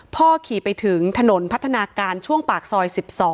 พ่อขี่ไปถึงถนนพัฒนาการช่วงปากซอย๑๒